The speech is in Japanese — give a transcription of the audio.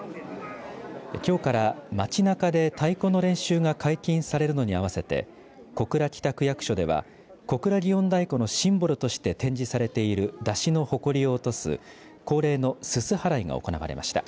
きょうから街なかで太鼓の練習が解禁されるのに合わせて小倉北区役所では小倉祇園太鼓のシンボルとして展示されている山車のほこりを落とす恒例のすす払いが行われました。